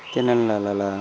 cho nên là